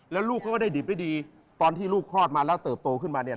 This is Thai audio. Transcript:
แล้วลูกเขาก็ได้ดิบได้ดีตอนที่ลูกคลอดมาแล้วเติบโตขึ้นมาเนี่ย